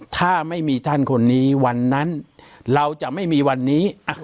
ถ้าไม่มีท่านคนนี้วันนั้นเราจะไม่มีวันนี้